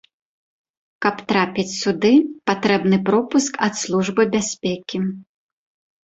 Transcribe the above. Каб трапіць сюды, патрэбны пропуск ад службы бяспекі.